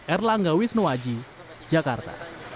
erlangga wisnuwaji jakarta